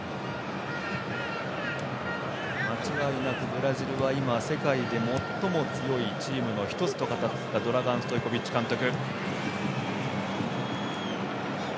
間違いなくブラジルは世界で最も強いチームの一つと語ったドラガン・ストイコビッチ監督。